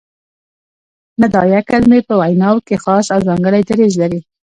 ندائیه کلیمې په ویناوو کښي خاص او ځانګړی دریځ لري.